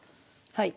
はい。